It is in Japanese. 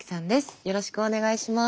よろしくお願いします。